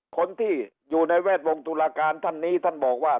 คนที่อยู่ในแวดวงตุลาการท่านนี้ท่านบอกว่า